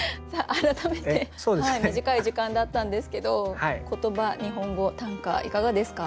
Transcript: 改めて短い時間だったんですけど言葉日本語短歌いかがですか？